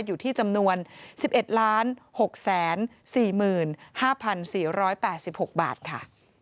อยู่ที่จำนวน๑๑๖๔๕๔๘๖บาทค่ะ